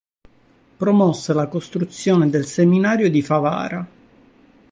Promosse la costruzione del seminario di Favara.